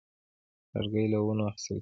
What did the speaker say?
لرګی له ونو اخیستل کېږي.